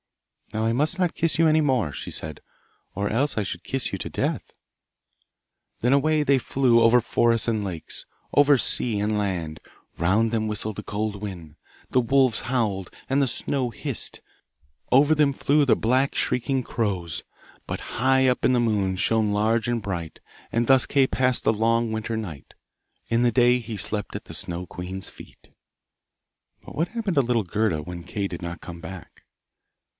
'Now I must not kiss you any more,' she said, 'or else I should kiss you to death.' Then away they flew over forests and lakes, over sea and land. Round them whistled the cold wind, the wolves howled, and the snow hissed; over them flew the black shrieking crows. But high up the moon shone large and bright, and thus Kay passed the long winter night. In the day he slept at the Snow queen's feet. But what happened to little Gerda when Kay did not come back?